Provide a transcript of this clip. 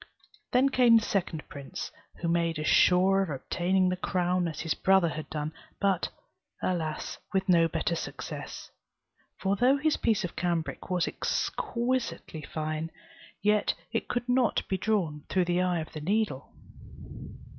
Then came the second prince, who made as sure of obtaining the crown as his brother had done; but, alas! with no better success: for though his piece of cambric was exquisitely fine, yet it could not be drawn through the eye of the needle.